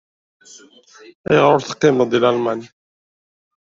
Ayɣer ur teqqimeḍ deg Lalman?